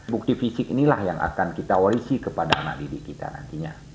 bukti fisik inilah yang akan kita orisi kepada anak didik kita nantinya